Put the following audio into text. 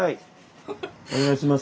お願いします。